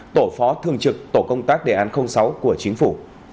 tổ phó thường trực tổ công tác đề án sáu của chính phủ